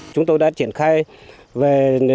chúng tôi đã triển khai về